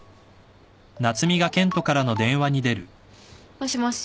もしもし。